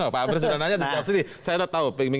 pak hamre sudah nanya di sini saya sudah tahu